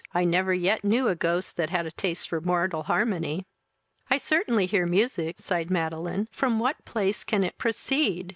I never yet knew a ghost that had a taste for Mortal harmony." "I certainly hear music, (sighed Madeline;) from what place can it proceed?